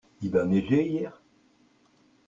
Il a neigé hier ?